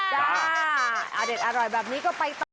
อเด็ดอร่อยแบบนี้ก็ไปต่อ